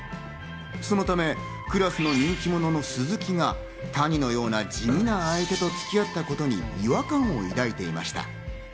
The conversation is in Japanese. そのため、クラスの人気者の鈴木が谷のような地味な相手と付き合うことに違和感を抱いていました。